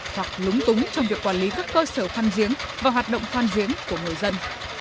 hoặc lúng túng trong việc quản lý các cơ sở khoan giếng và hoạt động khoan giếng của người dân